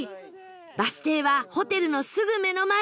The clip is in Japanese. バス停はホテルのすぐ目の前